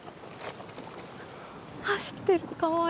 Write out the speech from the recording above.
走ってるかわいい。